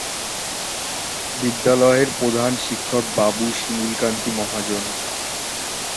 বিদ্যালয়ের প্রধান শিক্ষক বাবু শিমুল কান্তি মহাজন।